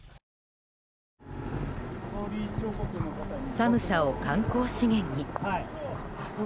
寒さを観光資源に。